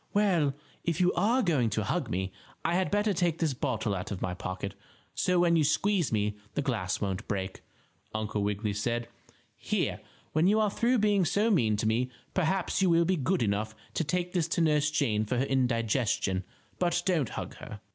"Well, if you are going to hug me I had better take this bottle out of my pocket, so when you squeeze me the glass won't break," Uncle Wiggily said. "Here, when you are through being so mean to me perhaps you will be good enough to take this to Nurse Jane for her indigestion, but don't hug her."